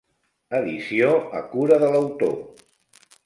Edició a cura de l'autor.